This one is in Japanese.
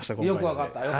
よく分かった？